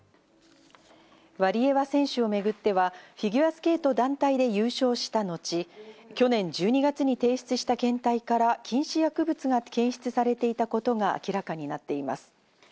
ワリエワ選手をめぐっては、フィギュアスケート団体で優勝したのち、去年１２月に提出した検体から禁止薬物が検出されていたことが明らかになっています。